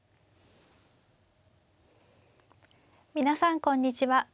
皆さんこんにちは。